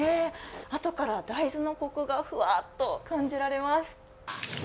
あとから大豆のコクがふわっと感じられます。